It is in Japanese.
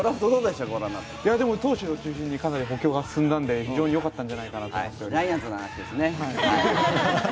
投手を中心にかなり補強が進んだのでよかったんじゃないかと思います。